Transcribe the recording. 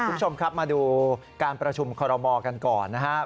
คุณผู้ชมครับมาดูการประชุมคอรมอกันก่อนนะครับ